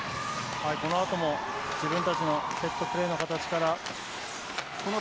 このあとも自分たちのセットプレーの形から。